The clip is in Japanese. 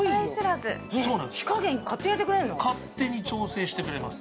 火加減、勝手に調整してくれます。